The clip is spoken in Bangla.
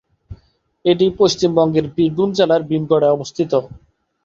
এটি পশ্চিমবঙ্গের বীরভূম জেলার ভীমগড়ায় অবস্থিত।